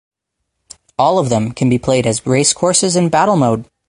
All of them can be played as race courses in Battle Mode.